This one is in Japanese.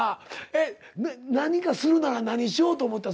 えっ何かするなら何しようと思った？